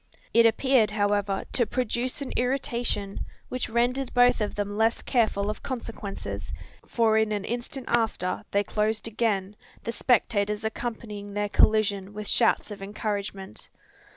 It appeared, however, to produce an irritation, which rendered both of them less careful of consequences: for in an instant after they closed again, the spectators accompanying their collision with shouts of encouragement.